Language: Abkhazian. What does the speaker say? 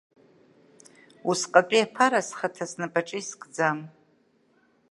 Усҟатәи аԥара схаҭа снапаҿы искӡам.